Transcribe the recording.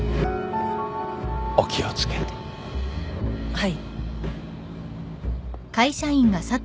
はい。